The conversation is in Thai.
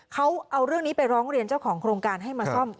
เขาเอาเรื่องนี้ไปร้องเรียนเจ้าของโครงการให้มาซ่อม